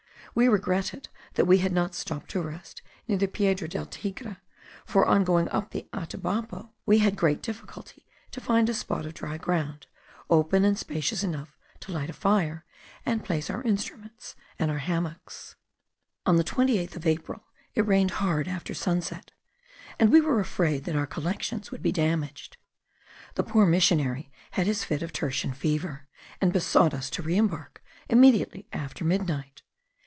We regretted that we had not stopped to rest near the Piedra del Tigre; for on going up the Atabapo we had great difficulty to find a spot of dry ground, open and spacious enough to light a fire, and place our instrument and our hammocks. On the 28th of April, it rained hard after sunset, and we were afraid that our collections would be damaged. The poor missionary had his fit of tertian fever, and besought us to re embark immediately after midnight.